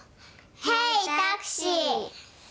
ヘイタクシー！